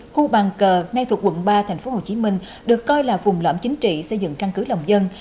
khu bàn cờ ngay thuộc quận ba tp hcm được coi là vùng lõm chính trị xây dựng căn cứ lòng dân